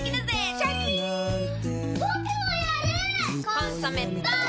「コンソメ」ポン！